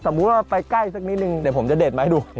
มุติว่าไปใกล้สักนิดนึงเดี๋ยวผมจะเด็ดมาให้ดู